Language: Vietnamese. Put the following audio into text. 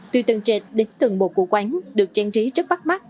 từ tầng trệt đến tầng một của quán được trang trí rất bắt mắt